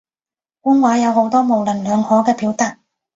官話有好多模棱兩可嘅表達